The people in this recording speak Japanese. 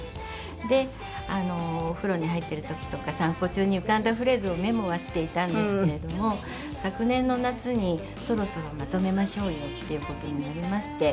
でお風呂に入っている時とか散歩中に浮かんだフレーズをメモはしていたんですけれども昨年の夏にそろそろまとめましょうよっていう事になりまして。